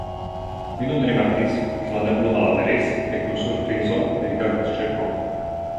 Mi nun rimarkis, ke la nebulo malaperis, kaj kun surprizo mi rigardis ĉirkaŭ mi.